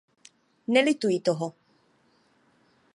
Nelituji toho.